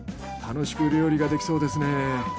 楽しく料理ができそうですね。